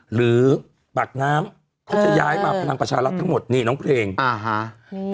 หรือปากน้ำเขาจะย้ายมาพลังประชารัฐทั้งหมดนี่น้องเพลงอ่าฮะอืม